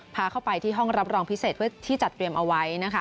พาเข้าไปที่ห้องรับรองพิเศษที่จัดเตรียมเอาไว้